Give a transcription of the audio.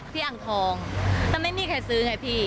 พี่อังทองถ้าไม่มีใครซื้อให้พี่